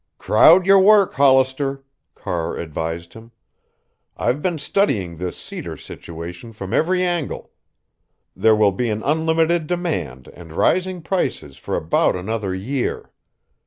"Crowd your work, Hollister," Carr advised him. "I've been studying this cedar situation from every angle. There will be an unlimited demand and rising prices for about another year.